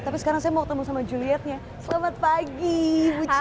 tapi sekarang saya mau ketemu sama julietnya selamat pagi